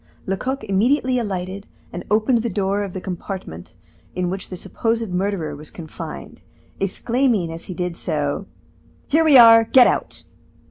Lecoq immediately alighted, and opened the door of the compartment in which the supposed murderer was confined, exclaiming as he did so: "Here we are, get out."